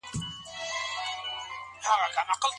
اخري وصیت یې